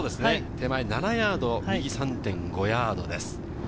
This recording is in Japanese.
手前７ヤード、右３．５ヤードです。